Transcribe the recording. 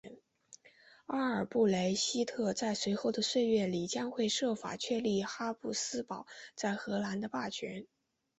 阿尔布雷希特在随后的岁月里将会设法确立哈布斯堡在荷兰的霸权。